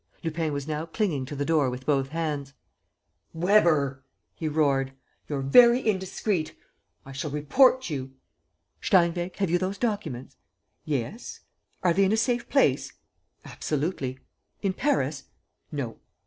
Lupin was now clinging to the door with both hands: "Weber," he roared, "you're very indiscreet! I shall report you! ... Steinweg, have you those documents?" "Yes." "Are they in a safe place?" "Absolutely." "In Paris?" "No."